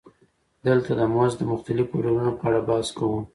دلته د مزد د مختلفو ډولونو په اړه بحث کوو